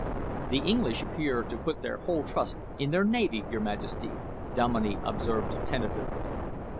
"The English appear to put their whole trust in their navy, your Majesty," Dominey observed tentatively.